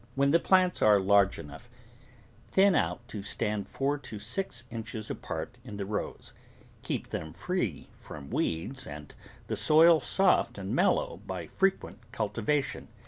When the plants are large enough, thin out to stand four to six inches apart in the rows; keep them free from weeds and the soil soft and mellow by frequent cul tivation.